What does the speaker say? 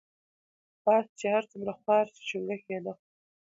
باز چی هر څومره خوار شی چونګښی نه خوري .